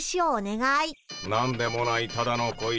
「何でもないただの小石」